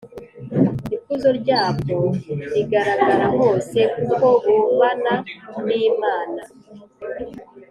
Ikuzo ryabwo rigaragara hose, kuko bubana n’Imana,